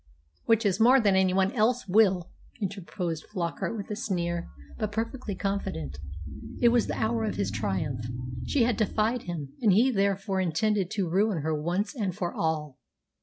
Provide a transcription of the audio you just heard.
"Which is more than anyone else will," interposed Flockart with a sneer, but perfectly confident. It was the hour of his triumph. She had defied him, and he therefore intended to ruin her once and for all.